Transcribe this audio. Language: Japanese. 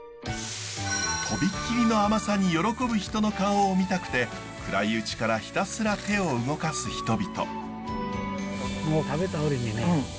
飛び切りの甘さに喜ぶ人の顔を見たくて暗いうちからひたすら手を動かす人々。